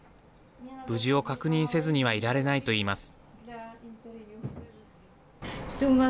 無事を確認せずにはいられないと言います。